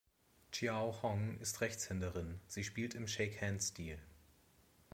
Qiao Hong ist Rechtshänderin, sie spielt im Shakehand-Stil.